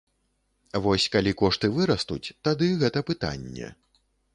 Вось калі кошты вырастуць, тады гэта пытанне.